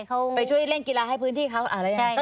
ไปช่วยเล่นกีฬาให้พื้นที่เขาอะไรอย่างนั้น